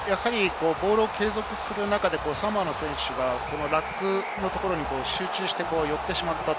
ボールを継続する中でサモアの選手がラックのところに集中して寄ってしまった。